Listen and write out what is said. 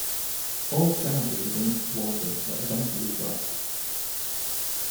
All charges against Walden were eventually dropped.